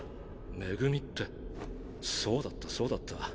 恵ってそうだったそうだった。